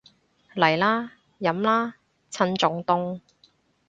嚟啦，飲啦，趁仲凍